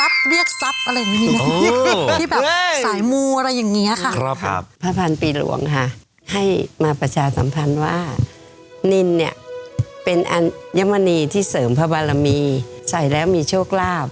เป็นหลายตันค่ะ